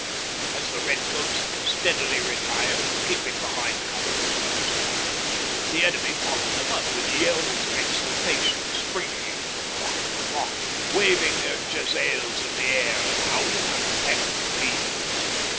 As the redcoats steadily retired, keeping behind cover as much as possible, the enemy followed them up with yells of exultation, springing from rock to rock, waving their jezails in the air, and howling like a pack of demons.